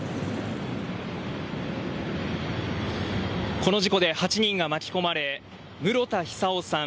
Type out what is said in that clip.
この事故で８人が巻き込まれ室田久生さん